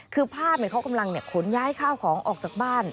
คือพาดเหมือนเขากำลังเนี่ยขนย้ายข้าวของออกจากบ้าน